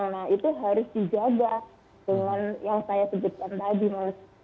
nah itu harus dijaga dengan yang saya sebutkan tadi mas